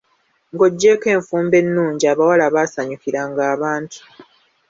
Ng'oggyeko enfumba ennungi, abawala baasanyukiranga abantu.